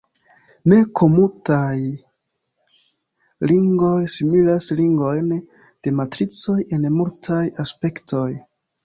Ne-komutaj ringoj similas ringojn de matricoj en multaj aspektoj.